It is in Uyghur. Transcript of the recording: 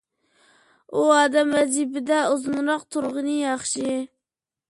ئۇ ئادەم ۋەزىپىدە ئۇزۇنراق تۇرغىنى ياخشى.